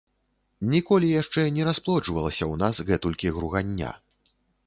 Ніколі яшчэ не расплоджвалася ў нас гэтулькі гругання.